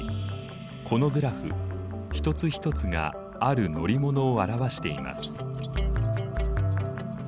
このグラフ一つ一つがある乗り物を表しています。